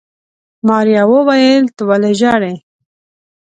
ماريا وويل ته ولې ژاړې.